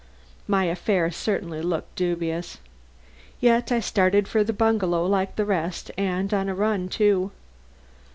My affair certainly looked dubious. Yet I started for the bungalow like the rest, and on a run, too.